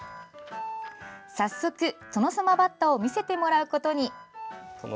早速、トノサマバッタを見せてもらうことに。